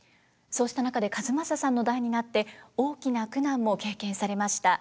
そうした中で千雅さんの代になって大きな苦難も経験されました。